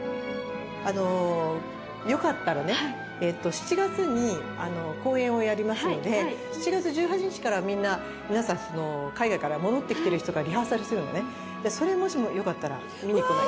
７月に公演をやりますので７月１８日からみんな皆さん海外から戻ってきてる人がリハーサルするのねそれもしよかったら見に来ない？